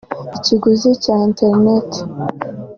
Ikiguzi cya Internet